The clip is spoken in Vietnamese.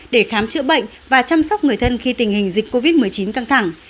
để khám chữa bệnh và chăm sóc người thân khi tình hình dịch covid một mươi chín căng thẳng